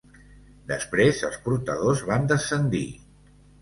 Després, els portadors van descendir.